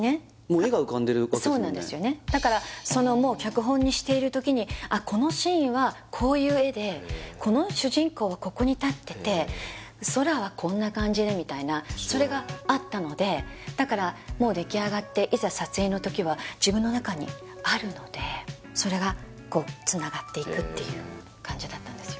画が浮かんでるわけですもんねそうなんですよねだからそのもう脚本にしている時にあこのシーンはこういう画でこの主人公はここに立ってて空はこんな感じでみたいなそれがあったのでだからもうできあがっていざ撮影の時は自分の中にあるのでそれがこうつながっていくっていう感じだったんですよ